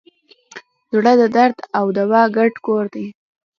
زړه د درد او دوا ګډ کور دی.